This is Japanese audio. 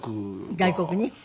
外国に？